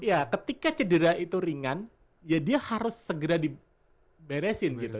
ya ketika cedera itu ringan ya dia harus segera diberesin gitu